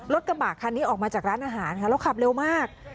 รถกระบะคันนี้ออกมาจากร้านอาหารค่ะแล้วขับเร็วมาก